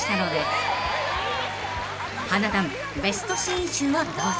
［『花男』ベストシーン集をどうぞ］